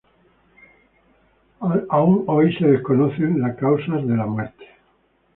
Las causas de la muerte, aún hoy, son desconocidas.